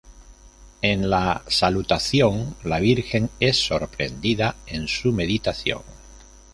En la salutación, la Virgen es sorprendida en su meditación.